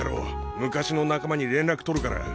昔の仲間に連絡取るから。